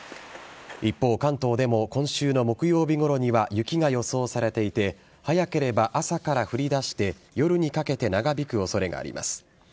一方、関東でも今週の木曜日ごろには雪が予想されていて、早ければ朝から降りだして、夜にかけて長引くおそれがあります。